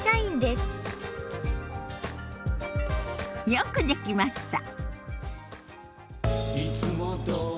よくできました。